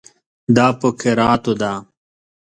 دا په کراتو ده.